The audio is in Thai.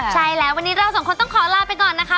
ใช่แล้ววันนี้เราสองคนต้องขอลาไปก่อนนะคะ